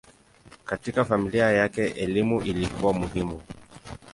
Katika familia yake elimu ilikuwa muhimu.